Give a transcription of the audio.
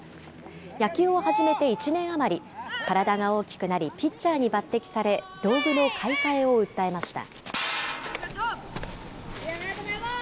野球を始めて１年余り、体が大きくなり、ピッチャーに抜てきされ、道具の買い替えを訴えました。